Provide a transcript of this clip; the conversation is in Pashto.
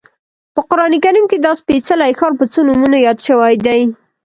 په قران کریم کې دا سپېڅلی ښار په څو نومونو یاد شوی دی.